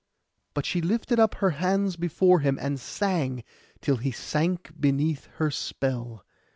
But she lifted up her hands before him, and sang, till he sank beneath her spell.